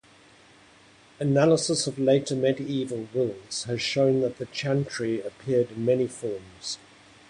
Analysis of later medieval wills has shown that the chantry appeared in many forms.